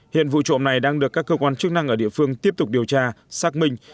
hiện vụ trộm này đang được các cơ quan chức năng ở địa phương tiếp tục điều tra xác minh